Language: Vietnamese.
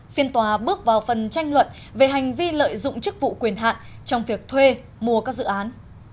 phiên tòa bước vào phần tranh luận về hành vi lợi dụng chức vụ quyền hạn trong việc thuê mua các dự án